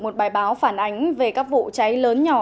một bài báo phản ánh về các vụ cháy lớn nhỏ